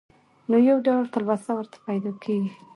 نو يو ډول تلوسه ورته پېدا کيږي.